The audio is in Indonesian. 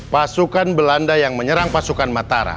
pasukan belanda yang menyerang pasukan matara